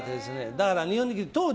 だから日本に来て。